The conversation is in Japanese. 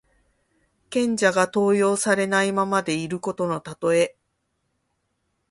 賢者が登用されないままでいることのたとえ。